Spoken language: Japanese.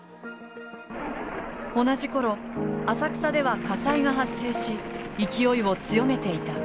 同じ頃浅草では火災が発生し勢いを強めていた。